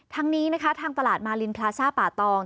ทั้งนี้นะคะทางตลาดมารินพลาซ่าป่าตอง